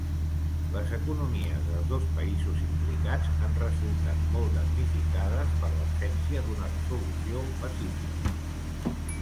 Les economies dels dos països implicats han resultat molt damnificades per l'absència d'una resolució pacífica.